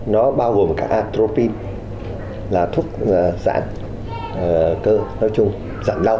nó bao gồm cả atropine là thuốc giãn cơ nói chung giãn lâu